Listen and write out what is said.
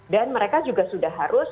dan mereka juga sudah harus